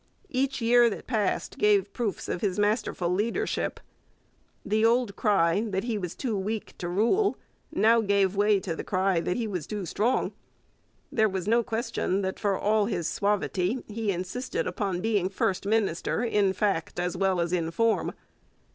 Each year that passed gave proofs of his masterful leadership. The old cry that he was too weak to rule now gave way to the cry that he was too strong. There was no question that for all his suavity he insisted upon being first minister in fact as well as in form.